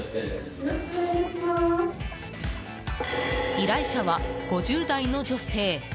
依頼者は５０代の女性。